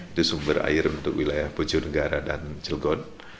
itu sumber air untuk wilayah pujo negara dan jelgon